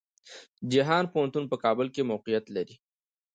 جهان پوهنتون په کابل کې موقيعت لري.